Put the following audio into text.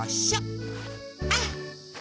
あっ。